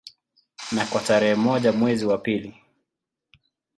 Na kwa tarehe moja mwezi wa pili